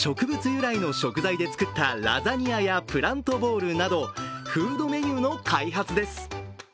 由来の食材で作ったラザニアやプラントボールなどフードメニューの開発です。